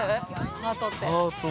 ハートって。